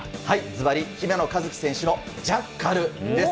ずばり、姫野和樹選手のジャッカルです。